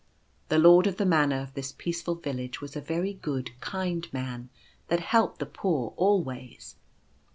The Lord of the Manor of this peaceful village was a very good, kind man, that helped the poor always.